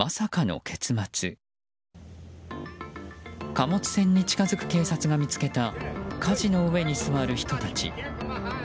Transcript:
貨物船に近づく警察が見つけたかじの上に座る人たち。